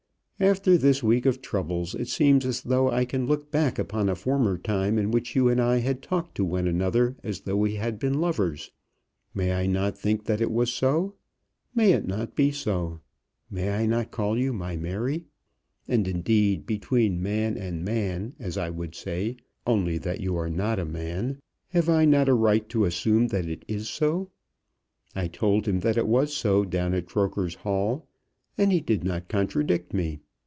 After this week of troubles it seems as though I can look back upon a former time in which you and I had talked to one another as though we had been lovers. May I not think that it was so? May it not be so? May I not call you my Mary? And indeed between man and man, as I would say, only that you are not a man, have I not a right to assume that it is so? I told him that it was so down at Croker's Hall, and he did not contradict me.